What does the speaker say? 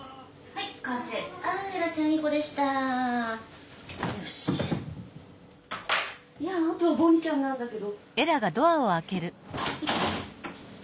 いやあとはボニーちゃんなんだけど。